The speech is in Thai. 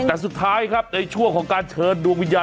แต่สุดท้ายครับในช่วงของการเชิญดวงวิญญาณ